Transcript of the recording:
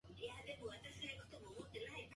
私はケンです。